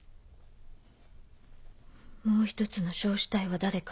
「もう一つの焼死体は誰か」